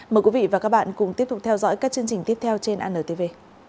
mời quý vị và các bạn cùng tiếp tục theo dõi các chương trình tiếp theo trên antv